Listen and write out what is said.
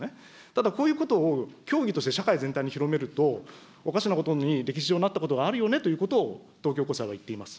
ただこういうことを教義として社会全体に広めると、おかしなことに、歴史上、なったことがあるよねということを、東京高裁はいっています。